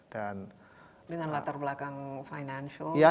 dan dengan latar belakang financial